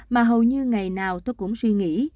mà hầu như ngày nào tôi cũng suy nghĩ